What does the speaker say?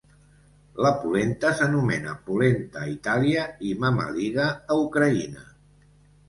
La polenta s'anomena "polenta" a Itàlia i "mamalyga" a Ucraïna.